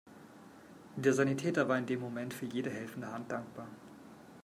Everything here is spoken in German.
Der Sanitäter war in dem Moment für jede helfende Hand dankbar.